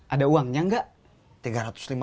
ada uangnya gak